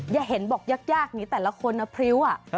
อย่าเห็นบอกยากนี้แต่ละคนอพริวอ่ะ